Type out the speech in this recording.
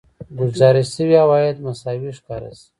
ګزارش شوي عواید مساوي ښکاره شي